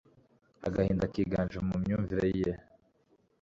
Agahinda kiganje mu myumvire ye